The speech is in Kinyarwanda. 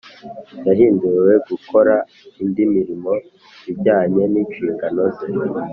Yahinduriwe gukora indi mirimo ijyanye n’ inshingano ze